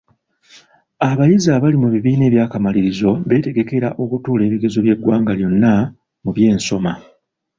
Abayizi abali mu bibiina eby'akamalirizo beetegekekera okutuula ebigezo by'eggwanga lyonna mu by'ensoma.